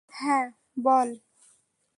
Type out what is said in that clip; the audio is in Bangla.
হ্যাঁ, বল।